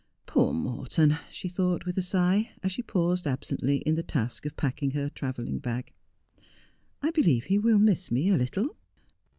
' Poor Morton,' she thought, with a sigh, as she paused absently in the task of packing her travelling bag, ' I believe he will miss me a little.'